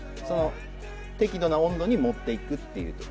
その適度な温度に持って行くっていう。